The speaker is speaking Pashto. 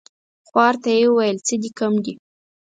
خوار ته يې ويل څه دي کم دي ؟